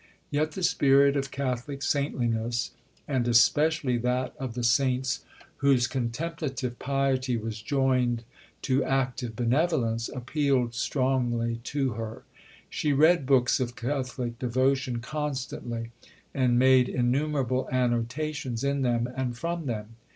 Yet the spirit of Catholic saintliness and especially that of the saints whose contemplative piety was joined to active benevolence appealed strongly to her. She read books of Catholic devotion constantly, and made innumerable annotations in them and from them.